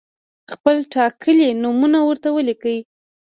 خپل ټاکلي نومونه ورته ولیکئ.